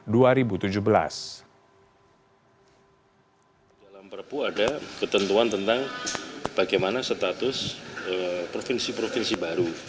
dalam perpu ada ketentuan tentang bagaimana status provinsi provinsi baru